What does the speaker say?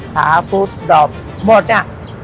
ขาพุดดรอบหมดอะ